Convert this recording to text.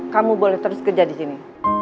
kamu boleh terus kerja disini